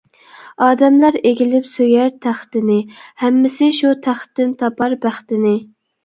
ئادەملەر ئېگىلىپ سۆيەر تەختىنى، ھەممىسى شۇ تەختتىن تاپار بەختىنى.